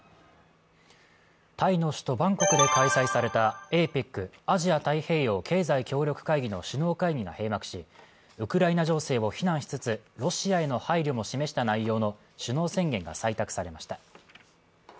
タイの首都バンコクで開催されたＡＰＥＣ＝アジア太平洋経済協力会議の首脳会議が閉幕し、ウクライナ情勢を非難しつつ、ロシアへの配慮も示した内容の首脳制限が採択されました。